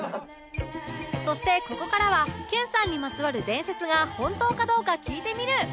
そしてここからは研さんにまつわる伝説が本当かどうか聞いてみる！